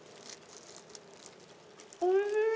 おいしい。